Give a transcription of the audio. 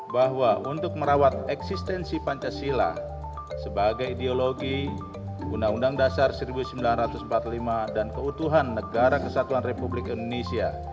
bahwa untuk merawat eksistensi pancasila sebagai ideologi undang undang dasar seribu sembilan ratus empat puluh lima dan keutuhan negara kesatuan republik indonesia